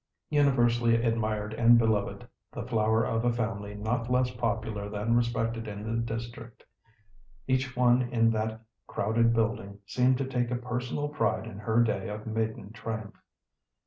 Universally admired and beloved, the flower of a family not less popular than respected in the district, each one in that crowded building seemed to take a personal pride in her day of maiden triumph.